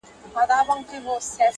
ستا شور به مي څنګه د صنم له کوڅې وباسي؛